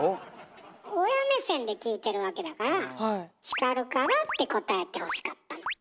親目線で聞いてるわけだから「叱るから」って答えてほしかったの。